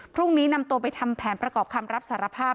พรุ่งนี้นำตัวไปทำแผนประกอบคำรับสารภาพ